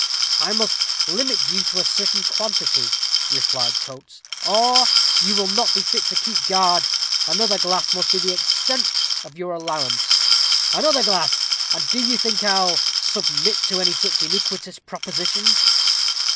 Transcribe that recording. "I must limit you to a certain quantity," replied Coates, "or you will not be fit to keep guard another glass must be the extent of your allowance." "Another glass! and do you think I'll submit to any such iniquitous proposition?"